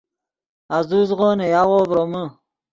آزوزغو نے یاغو ڤرومے